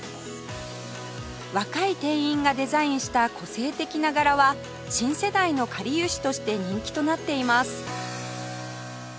若い店員がデザインした個性的な柄は新世代のかりゆしとして人気となっています